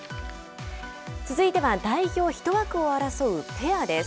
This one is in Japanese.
続いては代表１枠を争うペアです。